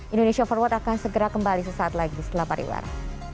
indonesia forward akan segera kembali sesaat lagi setelah pariwara